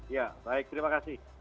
ya baik terima kasih